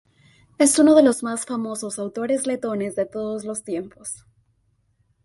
Es uno de los más famosos autores letones de todos los tiempos.